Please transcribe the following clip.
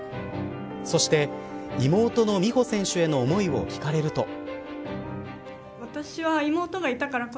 そして、妹の美帆選手への思いを聞かれると。